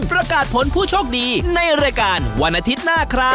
ประกาศผลผู้โชคดีในรายการวันอาทิตย์หน้าครับ